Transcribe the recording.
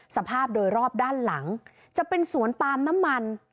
สภาพโดยรอบด้านหลังจะเป็นสวนปาล์มน้ำมัน